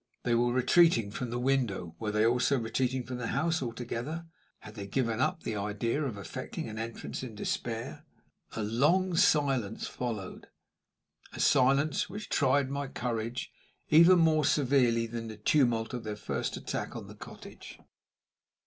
They were retreating from the window. Were they also retreating from the house altogether? Had they given up the idea of effecting an entrance in despair? A long silence followed a silence which tried my courage even more severely than the tumult of their first attack on the cottage.